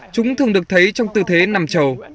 chúng thường được thấy trong tư thế nằm trầu